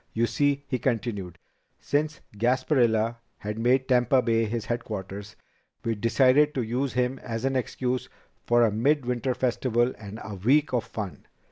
You see," he continued, "since Gasparilla had made Tampa Bay his headquarters, we decided to use him as an excuse for a mid winter festival and a week of fun.